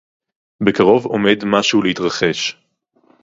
בְּקָרוֹב עוֹמֵד מַשֶּׁהוּ לְהִתְרַחֵשׁ.